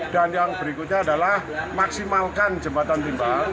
dan yang berikutnya adalah maksimalkan jembatan timbang